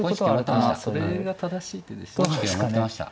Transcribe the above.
それが正しい手でした。